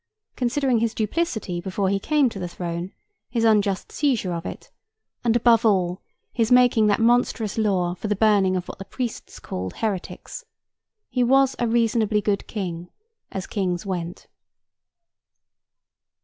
Considering his duplicity before he came to the throne, his unjust seizure of it, and above all, his making that monstrous law for the burning of what the priests called heretics, he was a reasonably good king, as kings went.